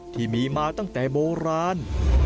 ที่มีมาตั้งแต่โบราณ